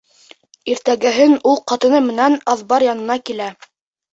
Иртәгәһен ул ҡатыны менән аҙбар янына килә.